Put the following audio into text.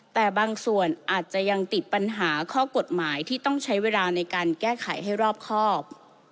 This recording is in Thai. แต่บางส่วนอาจจะยังติดปัญหาข้อกฎหมายที่ต้องใช้เวลาในการแก้ไขให้รอบครอบ